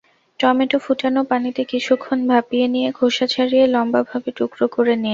Tomato ফুটানো পানিতে কিছুক্ষণ ভাপিয়ে নিয়ে খোসা ছাড়িয়ে লম্বাভাবে টুকরো করে নিন।